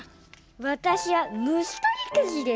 わたしはむしとりくじです。